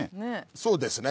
そうですね。